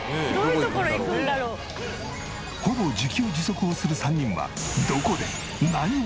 ほぼ自給自足をする３人は。